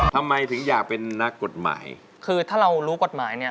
ทำไมถึงอยากเป็นนักกฎหมายคือถ้าเรารู้กฎหมายเนี่ย